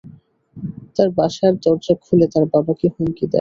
তার বাসার দরজা খুলে তার বাবাকে হুমকি দেয়।